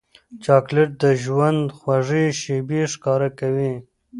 چاکلېټ د ژوند خوږې شېبې ښکاره کوي.